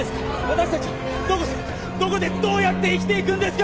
私達はどこでどこでどうやって生きていくんですか！？